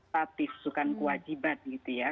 tatib bukan wajibat gitu ya